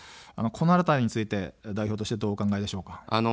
このあたりについて代表としてはどうお考えでしょうか。